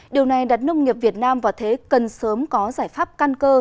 điều này đặt nông nghiệp việt nam vào thế cần sớm có giải pháp căn cơ